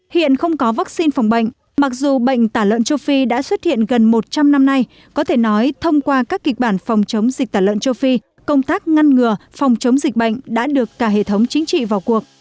hiện không có vaccine phòng bệnh mặc dù bệnh tả lợn châu phi đã xuất hiện gần một trăm linh năm nay có thể nói thông qua các kịch bản phòng chống dịch tả lợn châu phi công tác ngăn ngừa phòng chống dịch bệnh đã được cả hệ thống chính trị vào cuộc